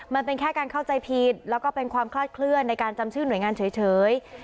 มันเป็นแค่การเข้าใจผิดแล้วก็เป็นความคลาดเคลื่อนในการจำชื่อหน่วยงานเฉย